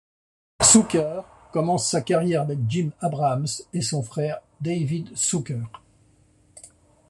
Zucker commence sa carrière avec Jim Abrahams et son frère David Zucker.